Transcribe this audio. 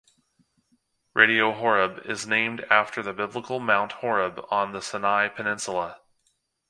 Radio Horeb is named after the biblical Mount Horeb on the Sinai Peninsula.